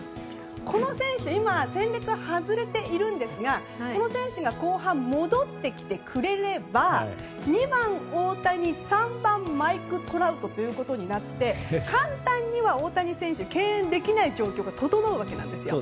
この選手戦列外れているんですがこの選手が後半、戻ってきてくれれば２番、大谷３番、マイク・トラウトとなって簡単には大谷選手が敬遠できない状態が整うわけなんですよ。